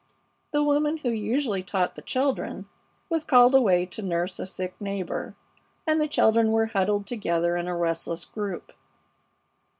The woman who usually taught the children was called away to nurse a sick neighbor, and the children were huddled together in a restless group.